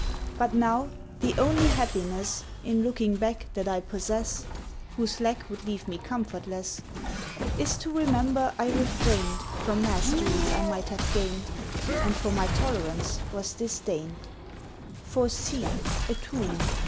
But now the only happiness In looking back that I possess— Whose lack would leave me comfortless— Is to remember I refrained From masteries I might have gained, And for my tolerance was disdained; For see, a tomb.